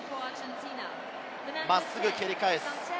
真っすぐ蹴り返す。